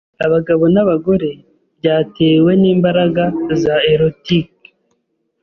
abagabo n'abagore byatewe n'imbaraga za erotic